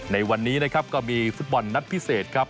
ในวันนี้นะครับก็มีฟุตบอลนัดพิเศษครับ